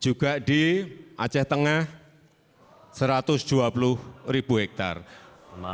juga di aceh tengah satu ratus dua puluh ribu hektare